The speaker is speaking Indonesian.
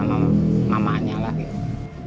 sama mamanya lah gitu